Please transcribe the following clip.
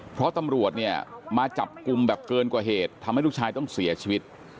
เพราะตำรวจเนี่ยมาจับกลุ่มแบบเกินกว่าเหตุทำให้ลูกชายต้องเสียชีวิต